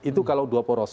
itu kalau dua poros